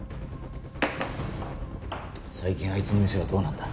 最近あいつの店はどうなんだ？